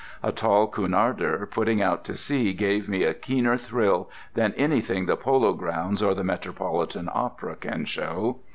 A tall Cunarder putting out to sea gives me a keener thrill than anything the Polo Grounds or the Metropolitan Opera can show.